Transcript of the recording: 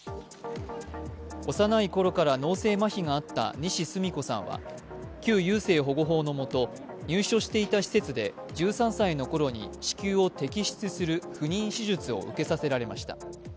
幼い頃から脳性まひがあった西スミ子さんは旧優生保護法のもと入所していた施設で１３歳のころに子宮を摘出する不妊手術を受けさせられました。